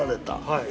はい。